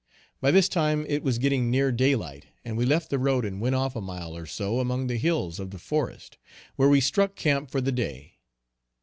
By this time it was getting near day light and we left the road and went off a mile or so among the hills of the forest, where we struck camp for the day.